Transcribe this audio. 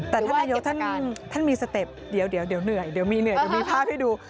แต่ท่านนายกท่านมีเสต็ปเดี๋ยวเหนื่อยมีภาพให้ดู